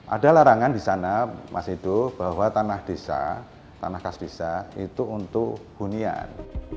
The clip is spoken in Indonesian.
ada larangan di sana mas ido bahwa tanah desa tanah kas desa itu untuk hunian